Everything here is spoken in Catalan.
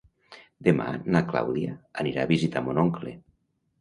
Demà na Clàudia anirà a visitar mon oncle.